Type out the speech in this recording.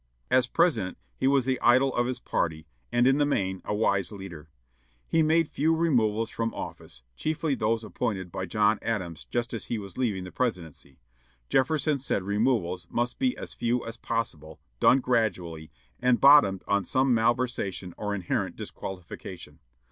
As President, he was the idol of his party, and, in the main, a wise leader. He made few removals from office, chiefly those appointed by John Adams just as he was leaving the Presidency. Jefferson said removals "must be as few as possible, done gradually, and bottomed on some malversation or inherent disqualification."